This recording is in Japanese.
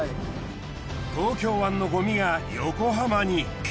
東京湾のごみが横浜に。